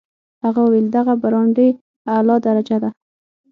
هغه وویل دغه برانډې اعلی درجه ده.